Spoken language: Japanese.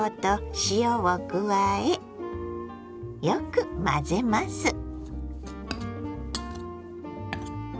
よく混ぜます。